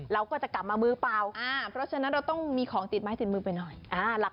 เราก็จะกลับมามือเปล่าเพราะฉะนั้นเราต้องมีของติดไม้ติดมือไปหน่อย